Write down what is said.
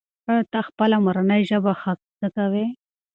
ایا ته خپله مورنۍ ژبه ښه زده کوې؟